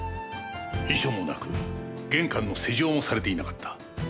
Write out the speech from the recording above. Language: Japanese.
遺書もなく玄関の施錠もされていなかった。